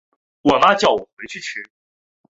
瓦唐下梅内特雷奥勒人口变化图示